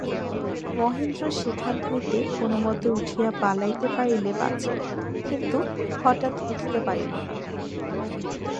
মহেন্দ্র সেখান হইতে কোনোমতে উঠিয়া পালাইতে পারিলে বাঁচে, কিন্তু হঠাৎ উঠিতে পারিল না।